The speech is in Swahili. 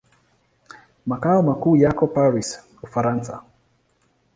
Makao makuu yako Paris, Ufaransa.